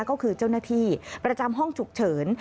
ก็คือเจ้าหน้าที่ประจำห้องฉุกเฉิน